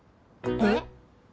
えっ？